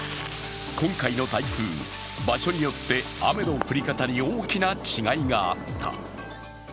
今回の台風、場所によって雨の降り方に大きな違いがあった。